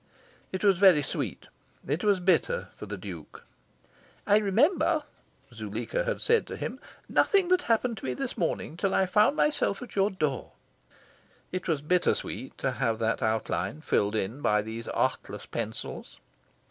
It was sweet, it was bitter, for the Duke. "I remember," Zuleika had said to him, "nothing that happened to me this morning till I found myself at your door." It was bitter sweet to have that outline filled in by these artless pencils.